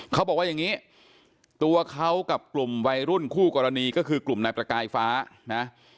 เขาบอกว่าอย่างนี้ตัวเขากับกลุ่มวัยรุ่นคู่กรณีก็คือกลุ่มนายประกายฟ้านะ